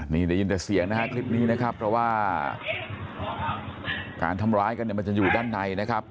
นี่ได้ยินแต่เสียงนะฮะคลิปนี้นะครับเพราะว่าการทำร้ายกันเนี่ยมันจะอยู่ด้านในนะครับ